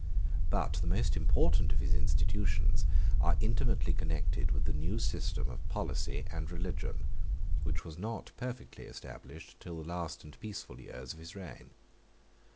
But the most important of his institutions are intimately connected with the new system of policy and religion, which was not perfectly established till the last and peaceful years of his reign.